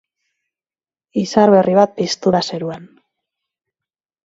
Izar berri bat piztu da zeruan.